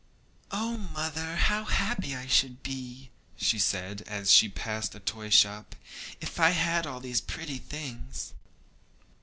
'Oh, mother, how happy I should be,' she said, as she passed a toy shop, 'if I had all these pretty things!'